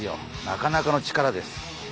なかなかの力です。